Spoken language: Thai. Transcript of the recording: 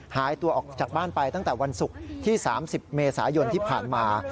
หายตัวออกจากบ้านไปตั้งแต่วันศุกร์ที่๓๐เมษายนที่ผ่านมา